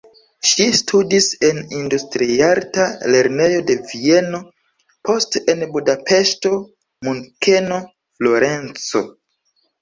Ŝi studis en industriarta lernejo de Vieno, poste en Budapeŝto, Munkeno, Florenco.